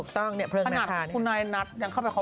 ต้องจะเอก